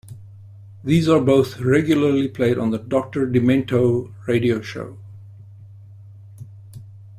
These are both regularly played on the "Doctor Demento" radio show.